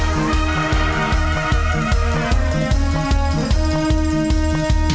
สวัสดีค่ะ